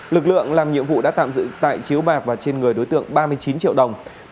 lực lượng làm nhiệm vụ đã tạm giữ tại chiếu bạc và trên người đối tượng ba mươi chín triệu đồng